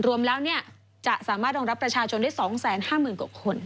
รวมแล้วจะสามารถรองรับประชาชนได้๒๕๐๐๐กว่าคน